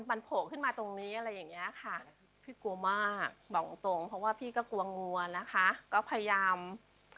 หรือผู้เราก็เลยมาดูว่ามันโหดกันมาโดยเราไม่รู้นะคะว่ามัน